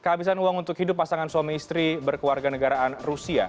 kehabisan uang untuk hidup pasangan suami istri berkeluarga negaraan rusia